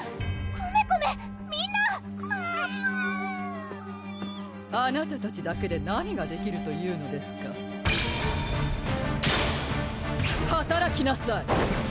コメパムメンあなたたちだけで何ができるというのですかはたらきなさい！